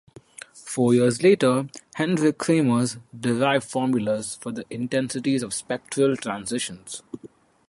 Four years later, Hendrik Kramers derived formulas for intensities of spectral transitions.